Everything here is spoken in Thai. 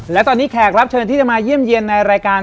และตอนนี้แขกรับเชิญที่จะมาเยี่ยมเยี่ยนในรายการ